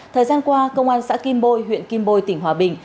thời gian qua công an xã kim bôi huyện kim bôi tỉnh hòa bình